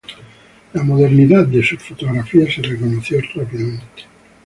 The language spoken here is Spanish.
La modernidad de sus fotografías se reconoció rápidamente.